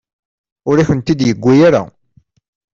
Ur akent-tent-id-yuwi ara.